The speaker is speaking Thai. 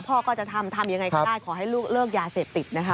พ่อก็จะทำทำยังไงก็ได้ขอให้ลูกเลิกยาเสพติดนะคะ